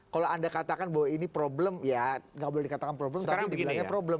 kalau anda katakan bahwa ini problem ya nggak boleh dikatakan problem tapi dibilangnya problem